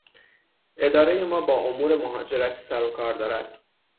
ادارهی ما با امور مهاجرتی سر و کار دارد.